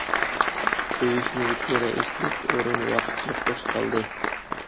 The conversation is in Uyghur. ئۇيۇشمىدىكى رەئىسلىك ئورۇن ۋاقىتلىق بوش قالدى.